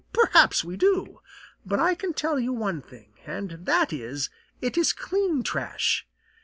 Perhaps we do, but I can tell you one thing, and that is it is clean trash.